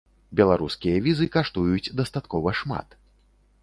Беларускія візы каштуюць дастаткова шмат.